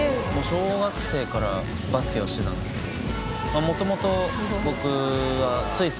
小学生からバスケはしてたんですけど。